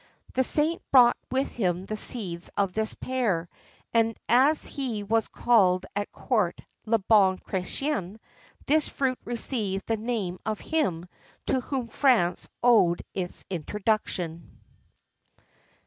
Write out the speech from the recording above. The saint brought with him the seeds of this pear, and as he was called at court Le Bon Chrétien, this fruit received the name of him to whom France owed its introduction.